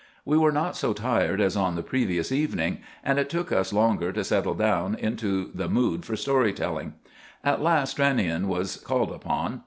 We were not so tired as on the previous evening, and it took us longer to settle down into the mood for story telling. At last Stranion was called upon.